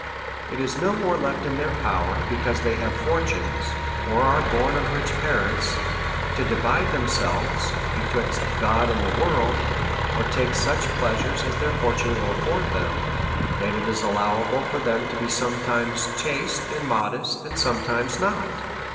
It is no more left in their power, because they have fortunes, or are born of rich parents, to divide themselves be twixt God and the world, or take such pleasures as their fortunes would afford them, than it is allowable for them to be sometimes chaste and modest, and sometimes not.